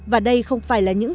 và đây không phải là những